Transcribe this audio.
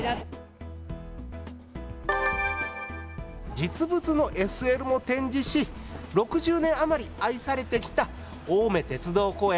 実物のＳＬも展示し６０年余り愛されてきた青梅鉄道公園。